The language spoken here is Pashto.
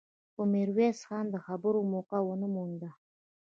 خو ميرويس خان د خبرو موقع ونه مونده.